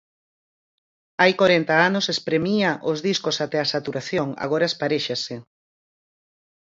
Hai corenta anos espremía os discos até a saturación, agora esparéxase.